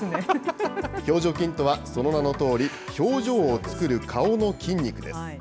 表情筋とはその名のとおり、表情を作る顔の筋肉です。